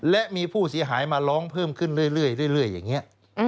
และมีผู้เสียหายมาร้องเพิ่มขึ้นเรื่อยอย่างนี้